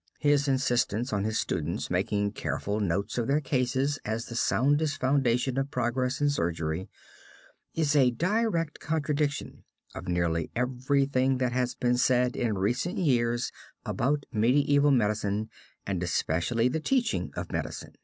His insistence on his students making careful notes of their cases as the soundest foundation of progress in surgery, is a direct contradiction of nearly everything that has been said in recent years about medieval medicine and especially the teaching of medicine.